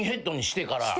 してから。